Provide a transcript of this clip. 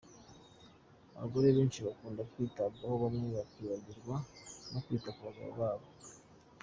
Abagore benshi bakunda kwitabwaho bamwe bakibagirwa no kwita ku bagabo babo.